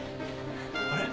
あれ？